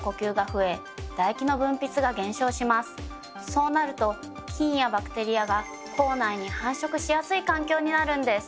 そうなると菌やバクテリアが口内に繁殖しやすい環境になるんです。